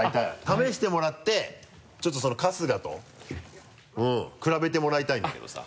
試してもらってちょっと春日と比べてもらいたいんだけどさ。